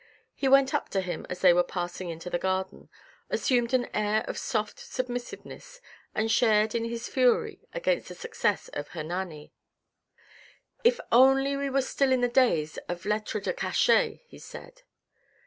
He went up to him as they were passing into the garden, assumed an air of soft submissiveness and shared in his fury against the success of Hernani. " If only we were still in the days of lettres de cachet !" he said.